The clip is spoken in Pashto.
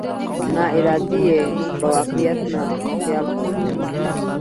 ناارادي يې موږ په واقعيت نه، په خيال پورې تړو.